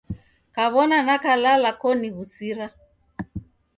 Kaw'ona nakalala koniw'usira.